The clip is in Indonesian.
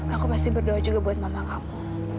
aku pasti berdoa juga buat mama kamu